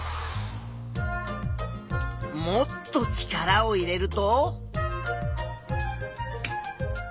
もっと力を入れると。